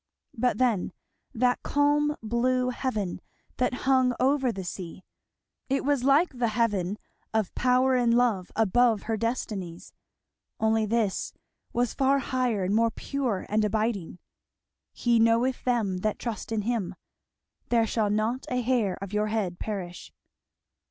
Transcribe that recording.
But then that calm blue Heaven that hung over the sea. It was like the heaven of power and love above her destinies; only this was far higher and more pure and abiding. "He knoweth them that trust in him." "There shall not a hair of your head perish."